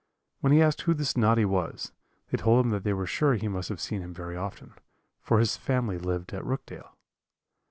When he asked who this Noddy was, they told him that they were sure he must have seen him very often, for his family lived at Rookdale.